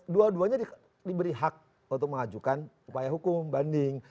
dua duanya diberi hak untuk mengajukan upaya hukum banding